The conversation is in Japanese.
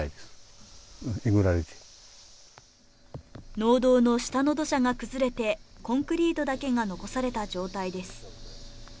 農道の下の土砂が崩れてコンクリートだけが残された状態です